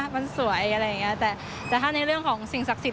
มันสวยอะไรอย่างเงี้ยแต่แต่ถ้าในเรื่องของสิ่งศักดิ์สิท